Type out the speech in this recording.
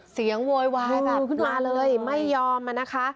เสียงโวยวายแบบมาเลยไม่ยอมนะคะ